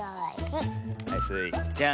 はいスイちゃん。